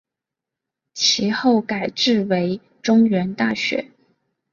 其后改制为中原大学。